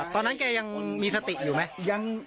ตอนนั้นแกยังมีสติอยู่ไหม